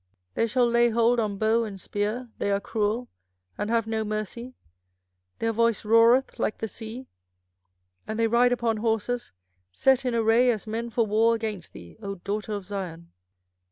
24:006:023 They shall lay hold on bow and spear; they are cruel, and have no mercy; their voice roareth like the sea; and they ride upon horses, set in array as men for war against thee, O daughter of Zion.